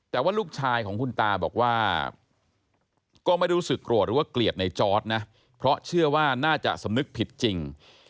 แต่ว่าลูกชายของคุณตาบอกว่าก็ไม่รู้สึกโกรธหรือว่าเกลียดในจอร์ดนะเพราะเชื่อว่าน่าจะสำนึกผิดจริง